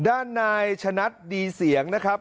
ด้านนายชะนัดดีเสียงนะครับ